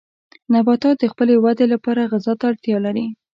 نباتات د خپلې ودې لپاره غذا ته اړتیا لري.